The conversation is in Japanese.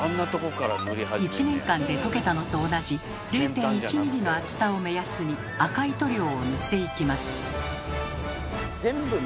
１年間で溶けたのと同じ０．１ｍｍの厚さを目安に赤い塗料を塗っていきます。